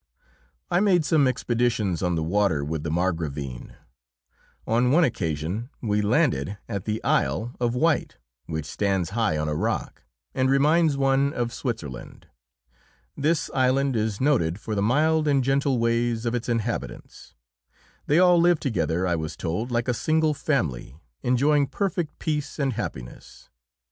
I made some expeditions on the water with the Margravine. On one occasion we landed at the Isle of Wight, which stands high on a rock, and reminds one of Switzerland. This island is noted for the mild and gentle ways of its inhabitants. They all live together, I was told, like a single family, enjoying perfect peace and happiness.